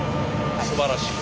すばらしい。